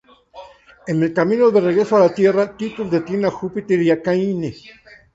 En el camino de regreso a la Tierra, Titus detiene a Júpiter y Caine.